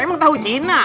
emang tahu cina